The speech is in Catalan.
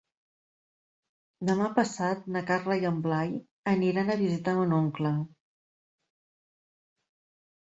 Demà passat na Carla i en Blai aniran a visitar mon oncle.